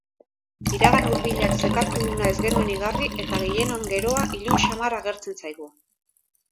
Iragan hurbilak zekarkiguna ez genuen igarri eta gehienon geroa ilun samar agertzen zaigu.